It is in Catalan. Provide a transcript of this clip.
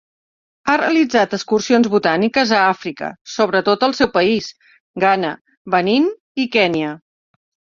Ha realitzat excursions botàniques a Àfrica, sobretot al seu país, Ghana, Benín, i Kenya.